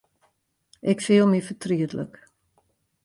Ik fiel my fertrietlik.